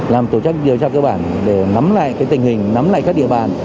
làm tổ trách điều tra cơ bản để nắm lại tình hình nắm lại các địa bàn